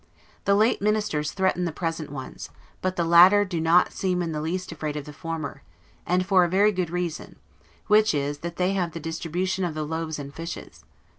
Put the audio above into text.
The late ministers threaten the present ones; but the latter do not seem in the least afraid of the former, and for a very good reason, which is, that they have the distribution of the loaves and fishes.